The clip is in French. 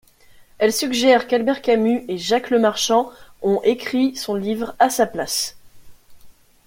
Elle suggère qu'Albert Camus et Jacques Lemarchand ont écrit son livre à sa place.